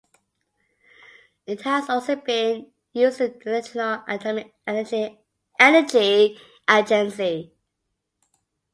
It has also been used in the International Atomic Energy Agency.